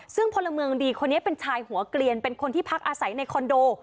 ซึ่งพลเมืองดีคนนี้เป็นชายหัวเกลียนเป็นคนที่พักอาศัยในคอนโด